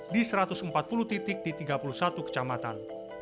di satu ratus empat puluh titik di tiga puluh satu kecamatan